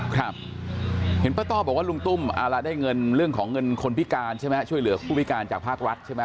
ครับเห็นป้าต้อบอกว่าลุงตุ้มได้เงินเรื่องของเงินคนพิการใช่ไหมช่วยเหลือผู้พิการจากภาครัฐใช่ไหม